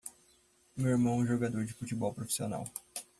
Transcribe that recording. Meu irmão é um jogador de futebol profissional.